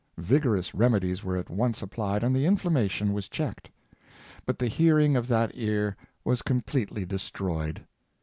Vigorous remedies were at once applied, and the inflammation was checked. But the hearing of that ear was completely destroyed.